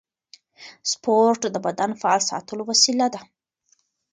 سپورت د بدن فعال ساتلو وسیله ده.